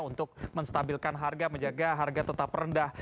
untuk menstabilkan harga menjaga harga tetap rendah